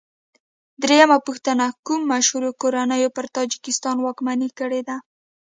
درېمه پوښتنه: کومو مشهورو کورنیو پر تاجکستان واکمني کړې ده؟